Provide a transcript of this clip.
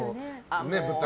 舞台